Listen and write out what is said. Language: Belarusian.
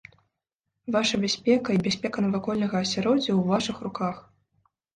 Ваша бяспека і бяспека навакольнага асяроддзя ў вашых руках.